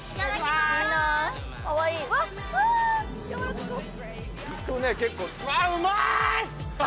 やわらかそう。